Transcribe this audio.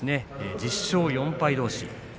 １０勝４敗どうしです。